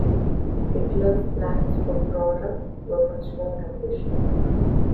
Hitler's plans for Prora were much more ambitious.